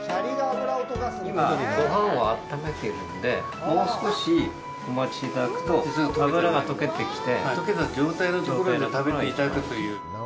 今、ごはんを温めているのでもう少しお待ちいただくと脂が溶けてきて、溶けた状態のところで食べていただくという。